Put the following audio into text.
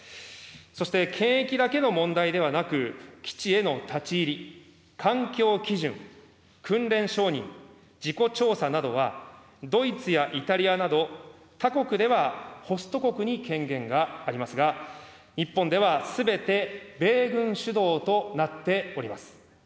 そして、検疫だけの問題ではなく、基地への立ち入り、環境基準、訓練承認、事故調査などは、ドイツやイタリアなど他国ではホスト国に権限がありますが、日本ではすべて米軍主導となっております。